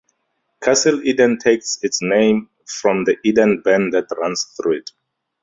Castle Eden takes its name from the Eden Burn that runs through it.